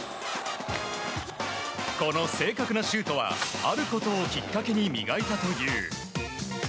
この正確なシュートはあることをきっかけに磨いたという。